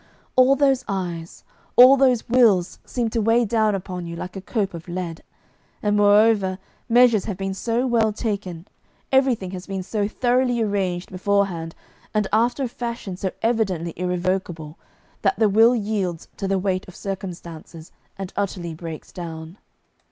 All those eyes, all those wills seem to weigh down upon you like a cope of lead, and, moreover, measures have been so well taken, everything has been so thoroughly arranged beforehand and after a fashion so evidently irrevocable, that the will yields to the weight of circumstances and utterly breaks down.